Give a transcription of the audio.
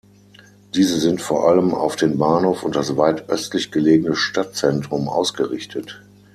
Diese sind vor allem auf den Bahnhof und das weit östlich gelegene Stadtzentrum ausgerichtet.